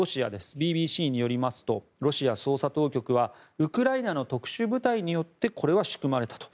ＢＢＣによりますとロシア捜査当局はウクライナの特殊部隊によってこれは仕組まれたと。